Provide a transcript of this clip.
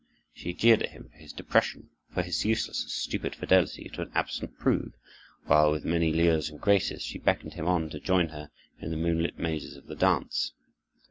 She jeered at him for his depression, for his useless and stupid fidelity to an absent prude, while with many lures and graces she beckoned him on to join her in the moonlit mazes of the dance.